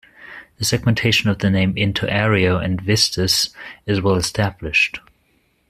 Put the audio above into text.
The segmentation of the name into "Ario-" and "-vistus" is well established.